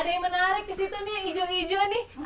ada yang menarik ke situ nih yang hijau hijau nih